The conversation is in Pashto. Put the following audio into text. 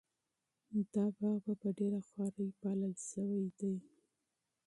دا باغ په ډېره خواري پالل شوی دی.